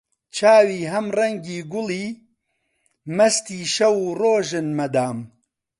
چاوی هەم ڕەنگی گوڵی، مەستی شەو و ڕۆژن مەدام